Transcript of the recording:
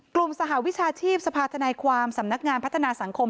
สหวิชาชีพสภาธนายความสำนักงานพัฒนาสังคม